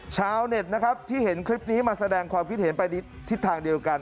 ชาวเน็ตนะครับที่เห็นคลิปนี้มาแสดงความคิดเห็นไปทิศทางเดียวกัน